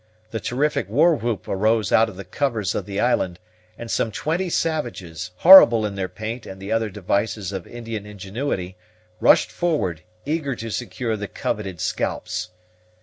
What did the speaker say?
The terrific war whoop arose out of the covers of the island, and some twenty savages, horrible in their paint and the other devices of Indian ingenuity, rushed forward, eager to secure the coveted scalps.